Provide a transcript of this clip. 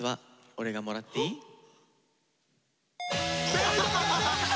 正解！